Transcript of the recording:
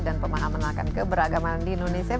dan pemahaman akan keberagaman di indonesia